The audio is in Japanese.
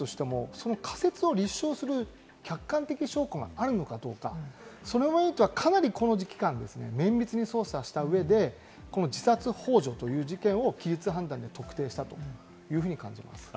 その仮説を立証する客観的証拠があるのかどうか、それによってはこの期間によって綿密に捜査した上で自殺ほう助という事件を規律判断で特定したというふうに感じます。